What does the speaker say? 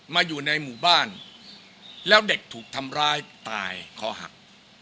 อยู่ในหมู่บ้านแล้วเด็กถูกทำร้ายตายคอหัก